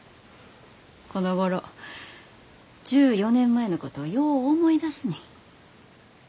このごろ１４年前のことよう思い出すねん。